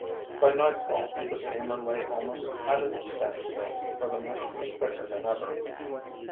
By nightfall the steamer lay almost at a stand still, for the mist was thicker than ever.